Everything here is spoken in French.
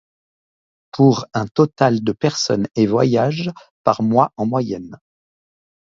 Pour un total de personnes et voyages par mois en moyenne.